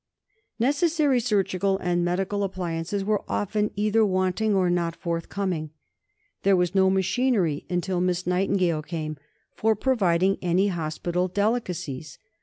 Necessary surgical and medical appliances were often either wanting or not forthcoming. There was no machinery, until Miss Nightingale came, for providing any hospital delicacies.